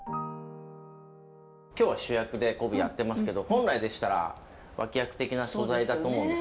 今日は主役で昆布やってますけど本来でしたら脇役的な素材だと思うんです。